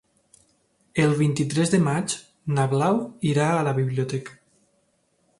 El vint-i-tres de maig na Blau irà a la biblioteca.